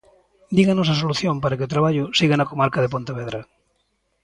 Dígannos a solución para que o traballo siga na comarca de Pontevedra.